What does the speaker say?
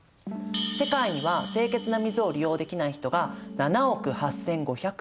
世界には清潔な水を利用できない人が７億８，５００万人います。